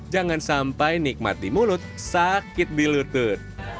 jangan sampai nikmat di mulut sakit di lutut